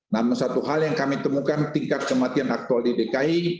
namun satu hal yang kami temukan tingkat kematian aktual di dki